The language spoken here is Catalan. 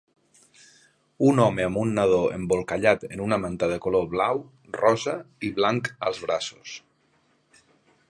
Un home amb un nadó embolcallat en una manta de color blau, rosa i blanc als braços.